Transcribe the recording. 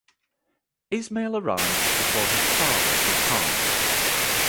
Ismail arrived before his father was harmed.